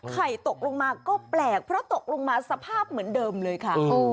ตกลงมาก็แปลกเพราะตกลงมาสภาพเหมือนเดิมเลยค่ะ